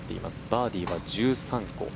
バーディーは１３個。